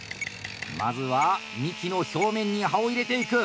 まずは幹の表面に刃を入れていく。